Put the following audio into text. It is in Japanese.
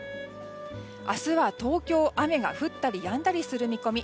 明日は東京、雨が降ったりやんだりする見込み。